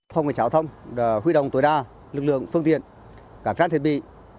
phòng cảnh sát giao thông đã huy động tối đa lực lượng phương tiện cảnh sát thiết bị